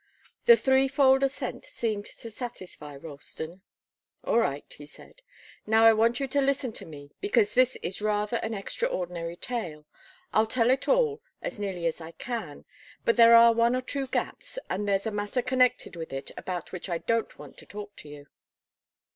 The threefold assent seemed to satisfy Ralston. "All right," he said. "Now I want you to listen to me, because this is rather an extraordinary tale. I'll tell it all, as nearly as I can, but there are one or two gaps, and there's a matter connected with it about which I don't want to talk to you."